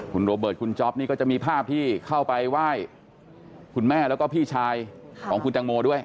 คุณโรเบิร์ตคุณจ๊อปนี่ก็จะมีภาพที่เข้าไปไหว้คุณแม่แล้วก็พี่ชายของคุณแตงโมด้วย